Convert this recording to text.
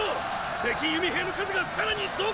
敵弓兵の数がさらに増加を！